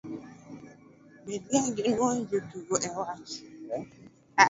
betga gi nuoyo jotugo e wach?